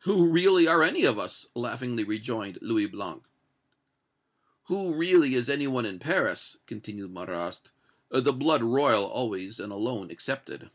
"Who really are any of us?" laughingly rejoined Louis Blanc. "Who really is any one in Paris," continued Marrast, "the blood royal always and alone excepted?" "Of M.